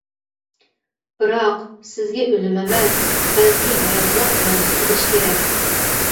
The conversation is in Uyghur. بىراق، سىزگە ئۆلۈم ئەمەس، بەلكى ھاياتلىق مەنسۇپ بولۇشى كېرەك.